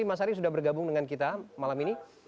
terima kasih sudah bergabung dengan kita malam ini